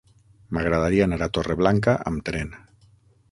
M'agradaria anar a Torreblanca amb tren.